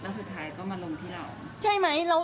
แล้วสุดท้ายก็มรึงที่เรา